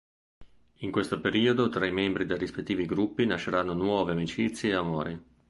In questo periodo tra i membri dei rispettivi gruppi nasceranno nuove amicizie e amori.